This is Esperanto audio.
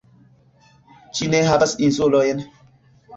Ĝi ne havas insulojn.